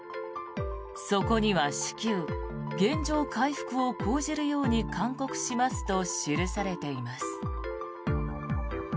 そこには至急原状回復を講じるように勧告しますと記されています。